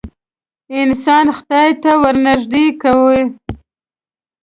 انسان خدای ته ورنیږدې کوې.